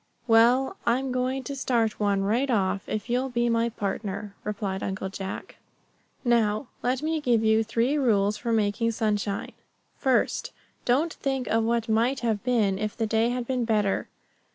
"Well, I'm going to start one right off, if you'll be my partner," replied Uncle Jack. "Now, let me give you three rules for making sunshine: First, don't think of what might have been if the day had been better.